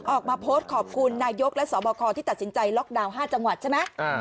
ออกมาโพสต์ขอบคุณนายกและสบคที่ตัดสินใจล็อกดาวน์๕จังหวัดใช่ไหม